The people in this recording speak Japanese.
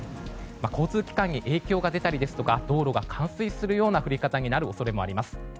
交通機関に影響が出たりとか道路が冠水するような降り方になる恐れもあります。